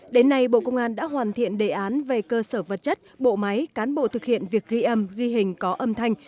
đến nay bộ công an đã hoàn thiện đề án về cơ sở vật chất bộ máy cán bộ thực hiện việc ghi âm ghi hình có âm thanh